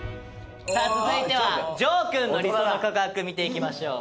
さあ続いては丈くんの理想の告白見ていきましょう。